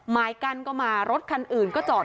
ไม้กั้นก็มารถคันอื่นก็จอด